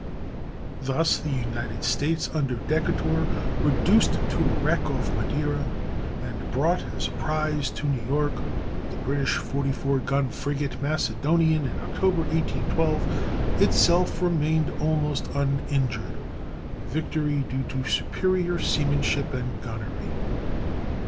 Thus, the United States under Decatur reduced to a wreck off Madeira, and brought as a prize to New York, the British 44 gun frigate Macedonian in October, 1812, itself remaining almost uninjured,—a victory due to superior seamanship and gunnery.